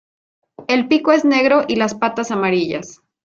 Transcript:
El pico es negro y las patas amarillas.